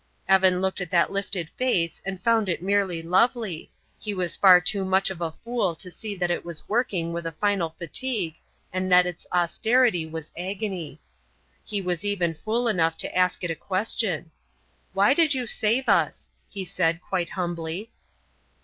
Evan looked at that lifted face and found it merely lovely; he was far too much of a fool to see that it was working with a final fatigue and that its austerity was agony. He was even fool enough to ask it a question. "Why did you save us?" he said, quite humbly.